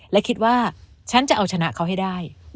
และคิดว่าฉันจะเอาชนะเขาให้ได้